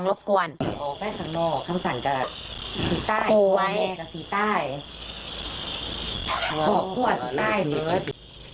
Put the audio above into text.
บอกพ่อสีใต้เมื่อ